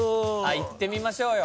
・いってみましょうよ。